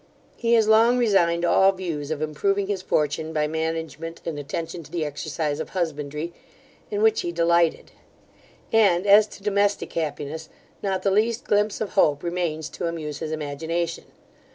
He has long resigned all views of improving his fortune by management and attention to the exercise of husbandry, in which he delighted; and as to domestic happiness, not the least glimpse of hope remains to amuse his imagination.